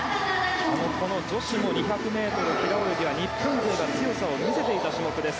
女子の２００ｍ平泳ぎは日本勢が強さを見せていた種目です。